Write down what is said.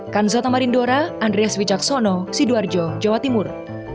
kan zatamarindora andreas wijaksono sidoarjo jawa timur